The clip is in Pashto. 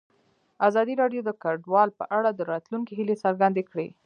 ازادي راډیو د کډوال په اړه د راتلونکي هیلې څرګندې کړې.